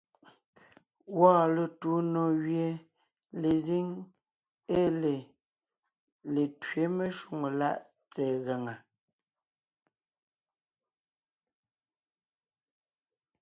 Wɔɔn letuu nò gẅie lezíŋ ée lê Letẅě meshwóŋè láʼ tsɛ̀ɛ gaŋá.